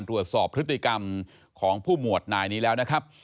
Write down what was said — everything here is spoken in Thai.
ตรวจสอบพฤติกรรมของผู้หมวดนายนี้แล้วนะครับ